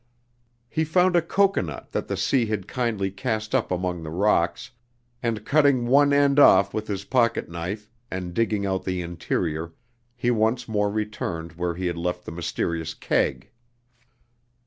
He found a cocoanut that the sea had kindly cast up among the rocks, and cutting one end off with his pocket knife, and digging out the interior, he once more returned where he had left the mysterious keg.